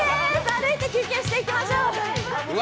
歩いて休憩していきましょう。